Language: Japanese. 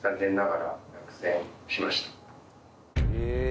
え